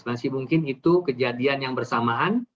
masih mungkin itu kejadian yang bersamaan